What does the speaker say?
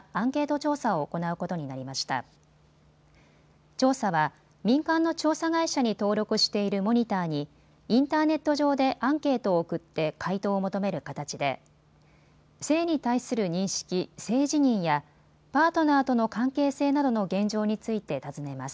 調査は民間の調査会社に登録しているモニターにインターネット上でアンケートを送って回答を求める形で性に対する認識、性自認やパートナーとの関係性などの現状について尋ねます。